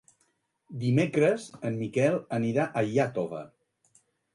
Dimecres en Miquel anirà a Iàtova.